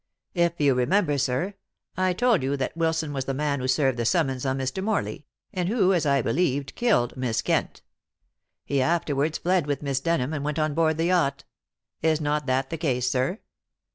"If you remember, sir, I told you that Wilson was the man who served the summons on Mr. Morley, and who, as I believed, killed Miss Kent. He afterwards fled with Miss Denham and went on board the yacht. Is not that the case, sir?"